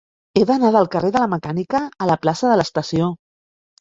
He d'anar del carrer de la Mecànica a la plaça de l'Estació.